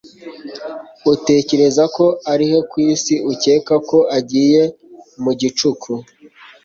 Utekereza ko ari he ku isi ukeka ko agiye mu gicuku